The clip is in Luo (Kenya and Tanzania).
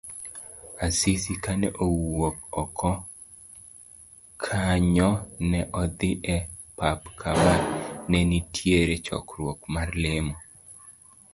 Asisi kane owuok oko kanyo, ne odhi e pap kama nenitiere chokruok mar lemo.